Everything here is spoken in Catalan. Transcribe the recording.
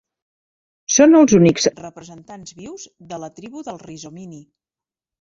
Són els únics representants vius de la tribu dels Rhizomyini.